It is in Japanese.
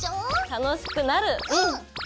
楽しくなるうん！